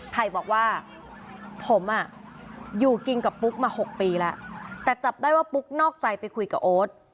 ไผ่บอกว่าผมอ่ะอยู่กินกับปุ๊กมา๖ปีแล้วแต่จับได้ว่าปุ๊กนอกใจไปคุยกับโอ๊ต